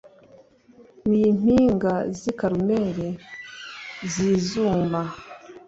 n’impinga z’i Karumeli zizuma.”